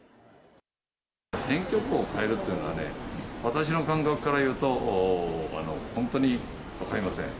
選挙区を変えるっていうのはね、私の感覚からいうと、本当に分かりません。